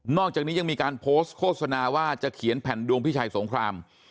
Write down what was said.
อกจากนี้ยังมีการโพสต์โฆษณาว่าจะเขียนแผ่นดวงพิชัยสงคราม